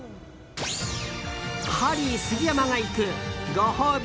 ハリー杉山が行くご褒美